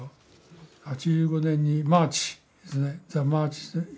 ８５年にマーチですね。